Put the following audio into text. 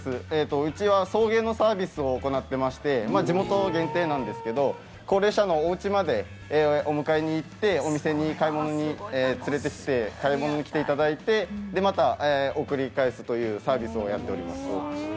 うちは送迎のサービスを行っていまして、地元限定なんですが、高齢者のおうちまでお迎えに行って、お買い物に来ていただいて、また送り返すというサービスを行っています。